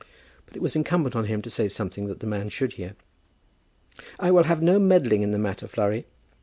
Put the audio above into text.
But it was incumbent on him to say something that the man should hear. "I will have no meddling in the matter, Flurry.